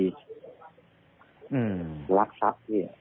รักษักที่